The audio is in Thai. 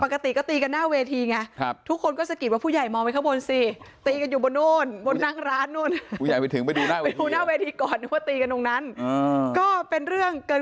ข้างบนอยู่ที่ไหนข้างบนเนี่ย